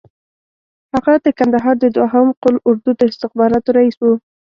هغه د کندهار د دوهم قول اردو د استخباراتو رییس وو.